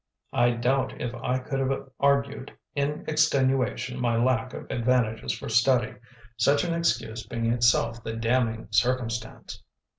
I doubt if I could have argued in extenuation my lack of advantages for study, such an excuse being itself the damning circumstance.